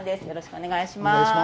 よろしくお願いします。